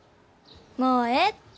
もうええって。